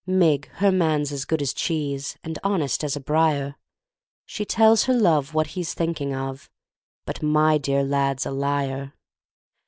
Mig, her man's as good as cheese And honest as a briar, She tells her love what he's thinking of, But my dear lad's a liar!